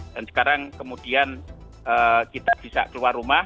dan sekarang kemudian kita bisa keluar rumah